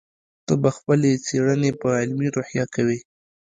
ته به خپلې څېړنې په علمي روحیه کوې.